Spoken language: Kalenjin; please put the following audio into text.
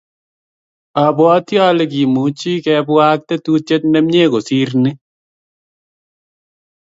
obwoti ale kimucgi kebwaa ak tetutie nemie kosiir ni